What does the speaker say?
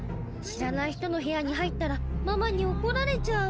知らない人のへやに入ったらママにおこられちゃう。